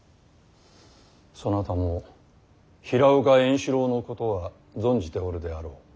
そなたも平岡円四郎のことは存じておるであろう。